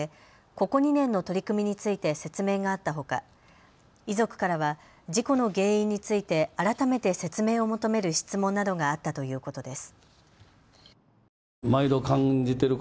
ここ２年の取り組みについて説明があったほか、遺族からは事故の原因について改めて説明を求める質問などがあったということです。